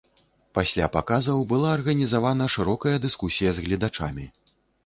Пасля паказаў была арганізавана шырокая дыскусія з гледачамі.